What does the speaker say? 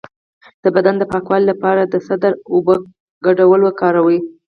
د بدن د پاکوالي لپاره د سدر او اوبو ګډول وکاروئ